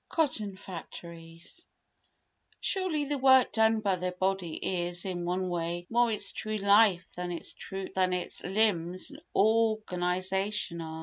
Cotton Factories Surely the work done by the body is, in one way, more its true life than its limbs and organisation are.